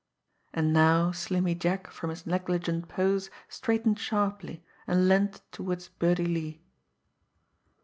And now Slimmy Jack, from his negligent pose, straightened sharply and leaned toward Birdie Lee.